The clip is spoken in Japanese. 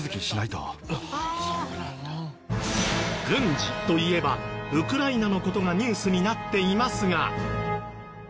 軍事といえばウクライナの事がニュースになっていますが。